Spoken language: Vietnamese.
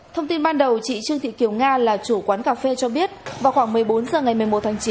thông tin ban đầu chị trương thị kiều nga là chủ quán cà phê cho biết vào khoảng một mươi bốn h ngày một mươi một tháng chín